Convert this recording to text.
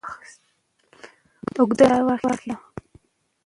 اوږده ساه واخسته.